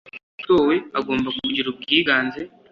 nk uwatowe agomba kugira ubwiganze